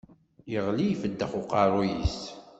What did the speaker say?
Yeɣli ifeddex uqerru-s!